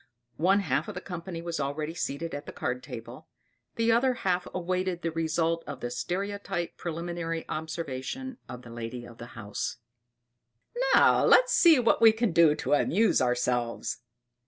One half of the company was already seated at the card table, the other half awaited the result of the stereotype preliminary observation of the lady of the house: "Now let us see what we can do to amuse ourselves."